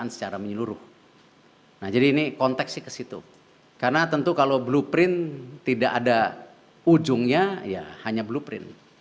nah jadi ini konteksnya ke situ karena tentu kalau blueprint tidak ada ujungnya ya hanya blueprint